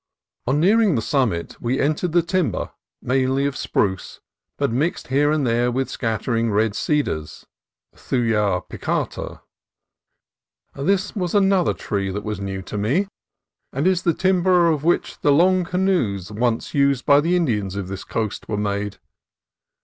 On nearing the summit we entered the timber, mainly of spruce, but mixed here and there with scattering red cedars {Thuja plicata). This was another tree that was new to me, and is the tim ber of which the long canoes once used by the In dians of this coast were made.